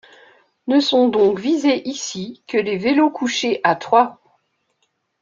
Ne sont donc visés ici que les vélos couché à trois roues.